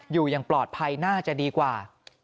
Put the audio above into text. อยู่อย่างปลอดภัยน่าจะดีกว่า